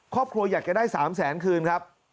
ครอบครัวอยากจะได้๓แสนคืนครับ